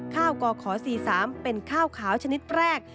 ข้าวกขสี่สามเป็นข้าวขาวชนิดแรก